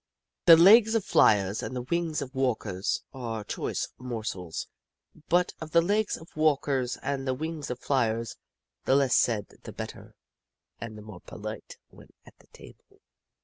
The legs of fliers and the wings of walkers are choice morsels, but of the legs of walkers and the wings of fliers, the less said the better, and the more polite when at the table.